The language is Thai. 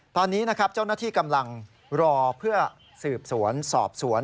ตอนนี้เจ้านักที่กำลังรอเพื่อสืบสวนสอบสวน